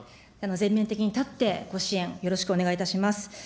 全面的に立ってご支援、よろしくお願いいたします。